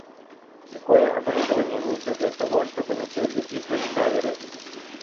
Какое оборудование нужно для того, чтобы начать записывать каверы?